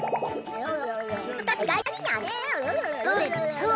そう。